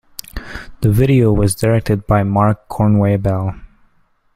The video was directed by Mark Kornweibel.